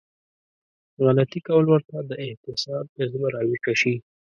غلطي کول ورته د احتساب جذبه راويښه شي.